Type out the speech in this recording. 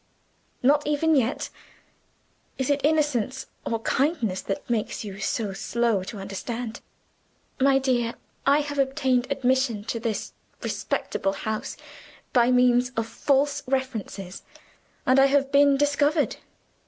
Not even yet? Is it innocence or kindness that makes you so slow to understand? My dear, I have obtained admission to this respectable house by means of false references, and I have been discovered.